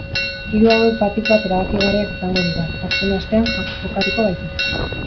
Hiru hauek batik bat erabakigarriak izango dira, azken astean jokatuko baitira.